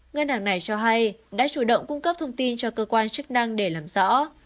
ngân hàng này cho hay đã chủ động cung cấp thông tin cho cơ quan chức năng để làm rõ